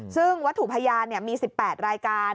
ซึ่งวัตถุพยานมี๑๘รายการ